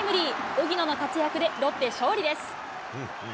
荻野の活躍でロッテ、勝利です。